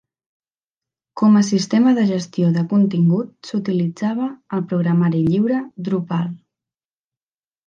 Com a sistema de gestió de continguts s'utilitzava el programari lliure Drupal.